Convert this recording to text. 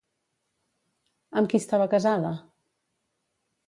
Amb qui estava casada?